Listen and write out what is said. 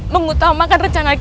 mengutamakan rencana kita daripada